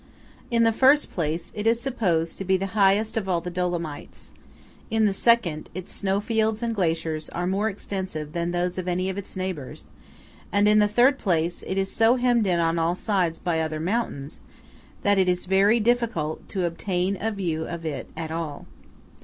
In the first place, it is supposed to be the highest of all the Dolomites; in the second, its snowfields and glaciers are more extensive than those of any of its neighbours; and in the third place, it is so hemmed in on all sides by other mountains that it is very difficult to obtain a view of it at all.